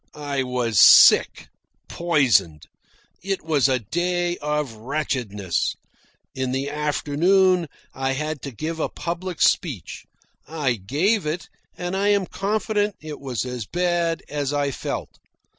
I was sick, poisoned. It was a day of wretchedness. In the afternoon I had to give a public speech. I gave it, and I am confident it was as bad as I felt.